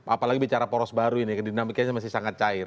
apalagi bicara poros baru ini dinamikanya masih sangat cair